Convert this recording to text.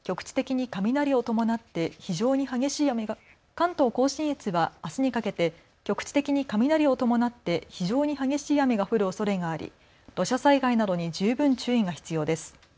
関東甲信越はあすにかけて局地的に雷を伴って非常に激しい雨が降るおそれがあり土砂災害などに十分注意が必要です。